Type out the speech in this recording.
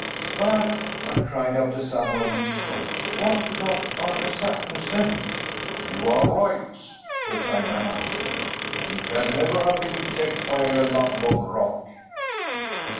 "But," I cried, after some moments' thought, "what about Arne Saknussemm?" "You are right," replied my uncle, "he can never have been checked by a lump of rock."